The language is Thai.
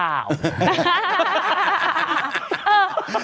แม่มดดำ